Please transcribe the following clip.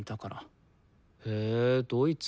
へドイツ。